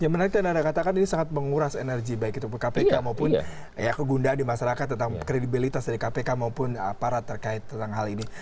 yang menarik dan anda katakan ini sangat menguras energi baik itu kpk maupun kegundaan di masyarakat tentang kredibilitas dari kpk maupun aparat terkait tentang hal ini